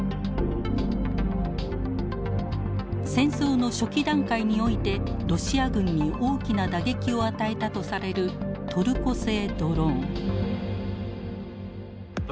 戦争の初期段階においてロシア軍に大きな打撃を与えたとされるトルコ製ドローン。